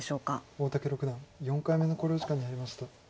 大竹六段４回目の考慮時間に入りました。